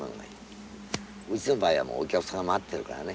うちの場合はもうお客さんが待ってるからね。